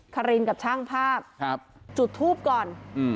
คารินกับช่างภาพจุดทูปก่อนอืม